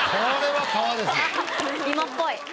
今っぽい。